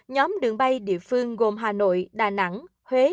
nhóm đường bay địa phương gồm hà nội đà nẵng huế